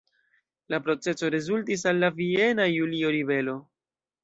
La proceso rezultis al la Viena Julio-ribelo.